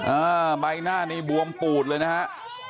อ่าใบหน้านี่บวมปูดเลยนะฮะ